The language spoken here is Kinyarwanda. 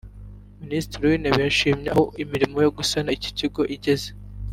Minisitiri w’intebe yashimye aho imirimo yo gusana iki kigo igeze